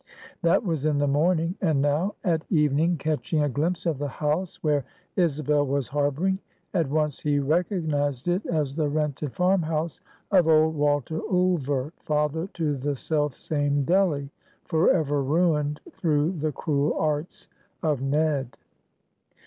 That was in the morning; and now, at eve catching a glimpse of the house where Isabel was harboring, at once he recognized it as the rented farm house of old Walter Ulver, father to the self same Delly, forever ruined through the cruel arts of Ned.